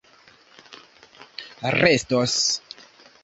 restos